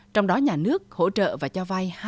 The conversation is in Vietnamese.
trong đó nhà nước hỗ trợ và cho vai hai